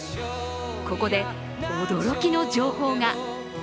ここで、驚きの情報が。